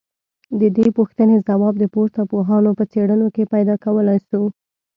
ددې پوښتني ځواب د پورته پوهانو په څېړنو کي پيدا کولای سو